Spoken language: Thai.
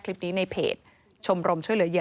ก็ไม่รู้ว่าฟ้าจะระแวงพอพานหรือเปล่า